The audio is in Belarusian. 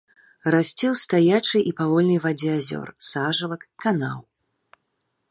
Расце ў стаячай і павольнай вадзе азёр, сажалак, канаў.